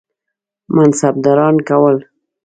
منصبداران کول.